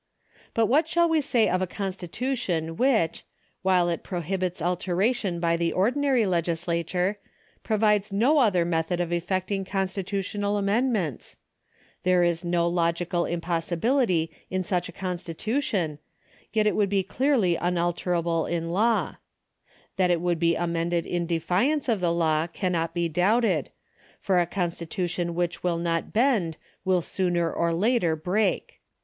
But what shall we say of a constitution which, while it prohibits alteration by the ordinary legislature, provides no other method of effecting constitutional amendments ? There is no logical impossibility in such a constitution, yet it would be clearly un alterable in law. That it would be amended in defiance of the law cannot be doubted, for a constitution which will not bend will sooner or later break.